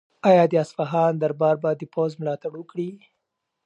آیا د اصفهان دربار به د پوځ ملاتړ وکړي؟